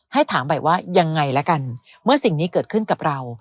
ให้ถามใหม่ว่ายังไงละกันเมื่อสิ่งนี้เกิดขึ้นกับเรา